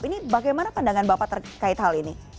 ini bagaimana pandangan bapak terkait hal ini